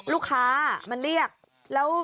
ลูกค้าฟังเหลียกเลี่บกรรม